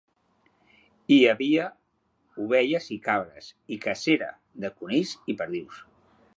Hi havia ovelles i cabres, i cacera, de conills i perdius.